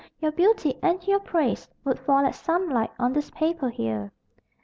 Your beauty and your praise Would fall like sunlight on this paper here.